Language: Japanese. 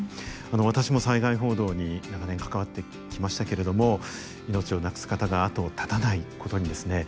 私も災害報道に長年関わってきましたけれども命をなくす方が後を絶たないことにですね